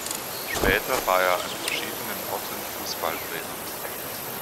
Später war er an verschiedenen Orten Fußballtrainer.